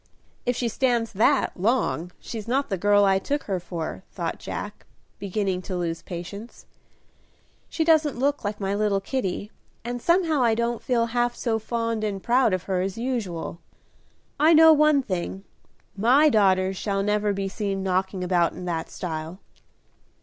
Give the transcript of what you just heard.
"If she stands that long she's not the girl I took her for," thought Jack, beginning to lose patience. "She doesn't look like my little Kitty, and somehow I don't feel half so fond and proud of her as usual. I know one thing, my daughters shall never be seen knocking about in that style."